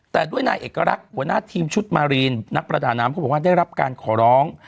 แต่ด้วยนายเอกลักษณ์หัวหน้าทีมชุดมารีนนักประดาน้ำเขาบอกว่าได้รับการขอร้อง